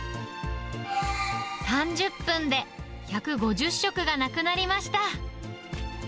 ３０分で１５０食がなくなりました。